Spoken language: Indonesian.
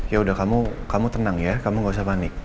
yaudah kamu tenang ya kamu enggak usah panik